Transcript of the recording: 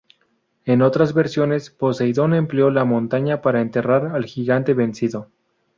En otras versiones, Poseidón empleó la montaña para enterrar al gigante vencido.